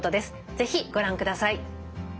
是非ご覧ください。